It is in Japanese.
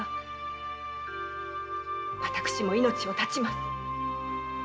私も命を絶ちます。